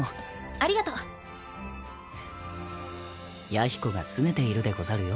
弥彦がすねているでござるよ。